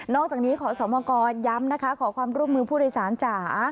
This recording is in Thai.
อกจากนี้ขอสมกรย้ำนะคะขอความร่วมมือผู้โดยสารจ๋า